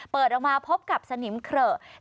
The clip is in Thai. เปิดออกมาพบกับสนิมเขละ